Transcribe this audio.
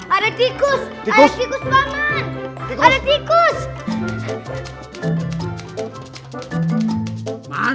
ada tikus ada tikus peman